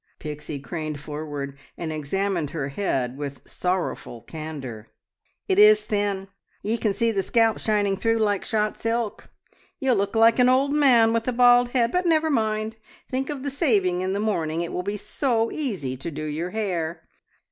Pixie craned forward and examined her head with sorrowful candour. "It is thin! Ye can see the scalp shining through like shot silk. You'll look like an old man with a bald head; but never mind! Think of the saving in the morning! It will be so easy to do your hair!"